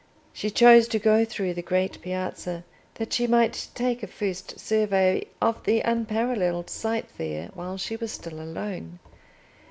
She chose to go through the great Piazza that she might take a first survey of the unparalleled sight there while she was still alone.